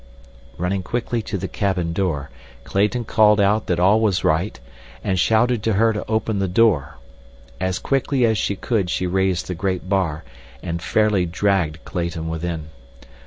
Running quickly to the cabin door, Clayton called out that all was right, and shouted to her to open the door. As quickly as she could she raised the great bar and fairly dragged Clayton within.